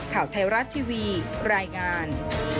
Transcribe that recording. ข่าวไทยรัฐทีวีรายงาน